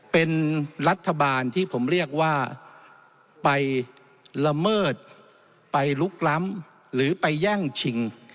เป็นรัฐบาลที่ผมเรียกว่าไปละเมิดไปลุกล้ำหรือไปแย่งชิง